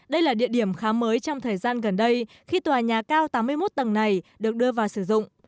đây là địa điểm khá mới trong thời gian gần đây khi tòa nhà cao tám mươi một tầng này được đưa vào sử dụng